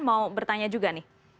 mau bertanya juga nih